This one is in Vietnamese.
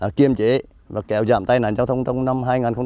và kiểm chế và kéo giảm tai nạn giao thông trong năm hai nghìn một mươi sáu